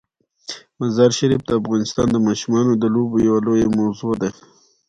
مزارشریف د افغانستان د ماشومانو د لوبو یوه لویه موضوع ده.